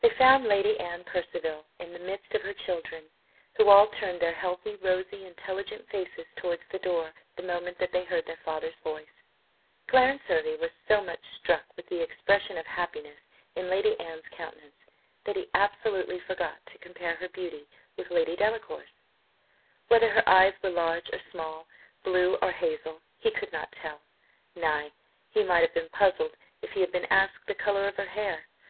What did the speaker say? They found Lady Anne Percival in the midst of her children, who all turned their healthy, rosy, intelligent faces towards the door, the moment that they heard their father's voice. Clarence Hervey was so much struck with the expression of happiness in Lady Anne's countenance, that he absolutely forgot to compare her beauty with Lady Delacour's. Whether her eyes were large or small, blue or hazel, he could not tell; nay, he might have been puzzled if he had been asked the colour of her hair.